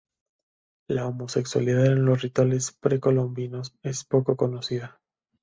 La homosexualidad en los rituales precolombinos es poco conocida.